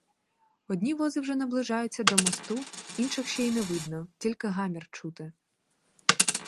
Одні вози вже наближаються до мосту, інших ще й не видно, тільки гамір чути.